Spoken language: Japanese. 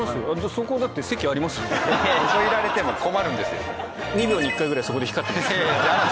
そこいられても困るんですよ。